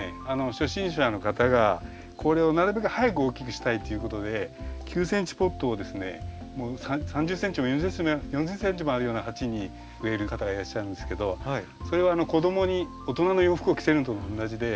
初心者の方がこれをなるべく早く大きくしたいっていうことで９ｃｍポットをですね３０ｃｍも４０ｃｍもあるような鉢に植える方がいらっしゃるんですけどそれは子供に大人の洋服を着せるのと同じで。